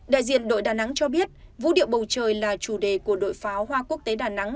đại diện đội đà nẵng cho biết vũ điệu bầu trời là chủ đề của đội pháo hoa quốc tế đà nẵng